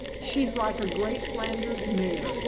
She's like a great Flanders mare.